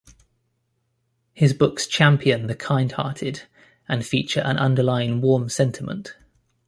His books champion the kind-hearted, and feature an underlying warm sentiment.